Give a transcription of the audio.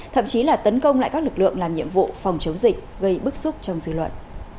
thậm chí là tấn công lại các lực lượng làm nhiệm vụ phòng chống dịch gây bức xúc trong dư luận